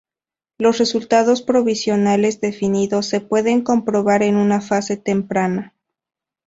Los resultados provisionales definidos se pueden comprobar en una fase temprana.